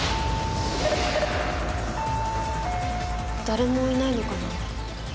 誰もいないのかな？